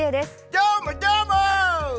どーも、どーも！